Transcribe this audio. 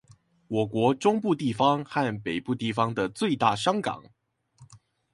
我國中部地方和北部地方的最大商港